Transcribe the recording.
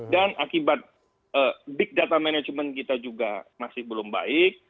dan akibat big data manajemen kita juga masih belum baik